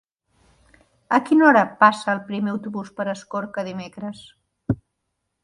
A quina hora passa el primer autobús per Escorca dimecres?